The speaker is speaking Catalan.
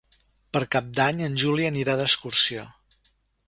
Per Cap d'Any en Juli anirà d'excursió.